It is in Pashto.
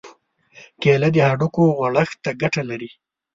کېله د هډوکو غوړښت ته ګټه لري.